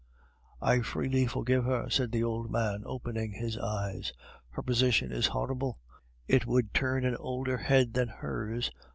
"I freely forgive her," said the old man, opening his eyes; "her position is horrible; it would turn an older head than hers.